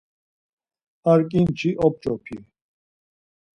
Ar ǩinçi op̌ç̌opi.